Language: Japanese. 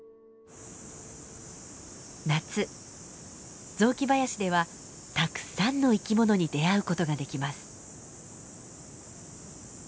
夏雑木林ではたくさんの生き物に出会うことができます。